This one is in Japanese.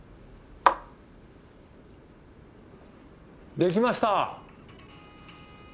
できました！